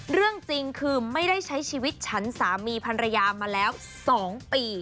เรื่องจริงคือไม่ได้ใช้ชีวิตฉันสามีพันรยามาแล้ว๒ปี